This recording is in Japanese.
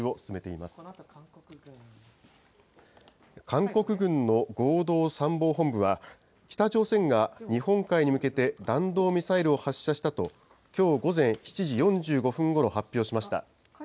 韓国軍の合同参謀本部は、北朝鮮が日本海に向けて、弾道ミサイルを発射したと、きょう午前７時４５分ごろ発表しました。